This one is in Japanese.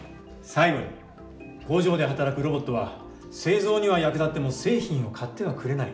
最後に工場で働くロボットは製造には役立っても製品を買ってはくれない。